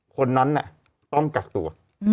คนนั้นเนี่ยต้องกลักตัว